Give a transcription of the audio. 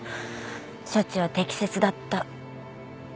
処置は適切だった。